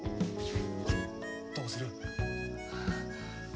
どうする？